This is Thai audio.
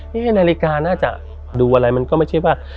นี่นาฬิกาน่าจะดูอะไรมันก็ไม่ใช่ว่า